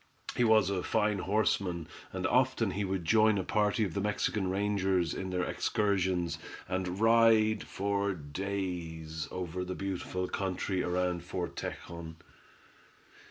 He was a fine horseman, and often he would join a party of the Mexican rangers in their excursions, and ride for days over the beautiful country round Fort Tejon.